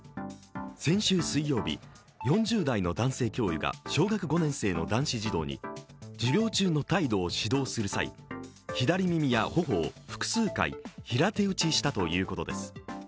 先週水曜日、４０代の男性教諭が小学５年生の男子児童に授業中の態度を指導する際、左耳や頬を複数回、平手打ちしたということです。